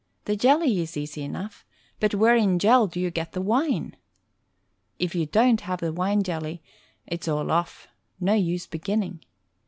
The jelly is easy enough, but where in Jell do you get the wine? If you don't have wine jelly — it's all off — ^no use be ginning.